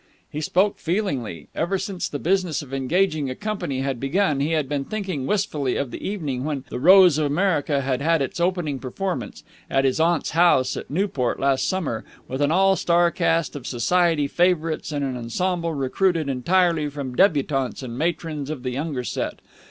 He spoke feelingly. Ever since the business of engaging a company had begun, he had been thinking wistfully of the evening when "The Rose of America" had had its opening performance at his aunt's house at Newport last summer with an all star cast of society favourites and an ensemble recruited entirely from debutantes and matrons of the Younger Set.